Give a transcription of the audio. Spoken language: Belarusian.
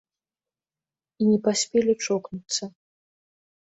І не паспелі чокнуцца.